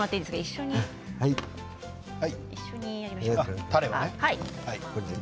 一緒にやりましょう。